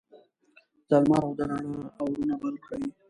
د لمر او د روڼا اورونه بل کړي